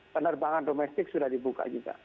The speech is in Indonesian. penerbangan domestik sudah dibuka juga